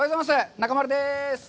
中丸です。